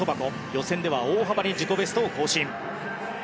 予選では大幅に自己ベストを更新。